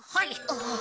ああ。